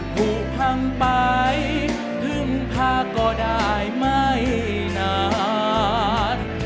ผูกพังไปพึ่งพาก็ได้ไม่นาน